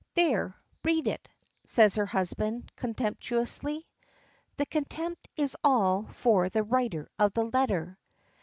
There! read it," says her husband, contemptuously. The contempt is all for the writer of the letter.